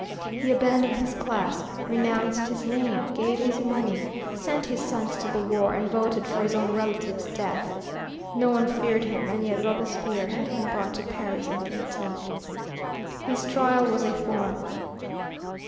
He abandoned his class, renounced his name, gave his money, sent his sons to the war, and voted for his own relative's death. No one feared him, and yet Robespierre had him brought to Paris and guillotined. His trial was a form.